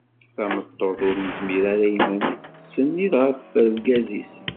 Tameṭṭut ur nezmir ara i yiman-is tettsennid ɣef urgaz-is.